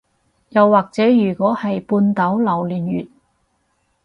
又或者如果係半島榴槤月